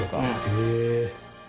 へえ！